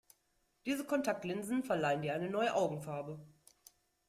Diese Kontaktlinsen verleihen dir eine neue Augenfarbe.